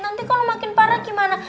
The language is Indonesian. nanti kalau makin parah gimana